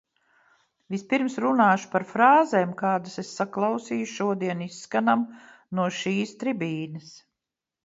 Vispirms runāšu par frāzēm, kādas es saklausīju šodien izskanam no šīs tribīnes.